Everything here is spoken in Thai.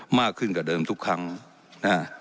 มากขึ้นกว่าเดิมทุกครั้งนะฮะ